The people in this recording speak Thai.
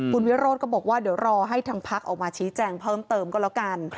คุณวิโรธก็บอกว่าเดี๋ยวรอให้ทางพักออกมาชี้แจงเพิ่มเติมก็แล้วกัน